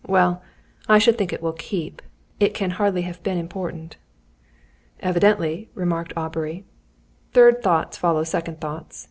Well I should think it will keep. It can hardly have been important." "Evidently," remarked Aubrey, "third thoughts followed second thoughts.